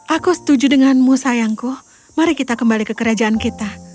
aku setuju denganmu sayangku mari kita kembali ke kerajaan kita